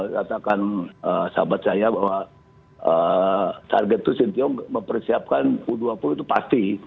katakan sahabat saya bahwa target itu sintiong mempersiapkan u dua puluh itu pasti